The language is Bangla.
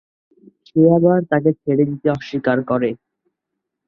সে আবার তাকে ছেড়ে দিতে অস্বীকার করে।